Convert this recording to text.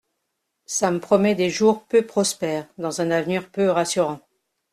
Ca m’promet des jours peu prospères Dans un av’nir peu rassurant !